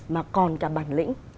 mà còn cả bản lĩnh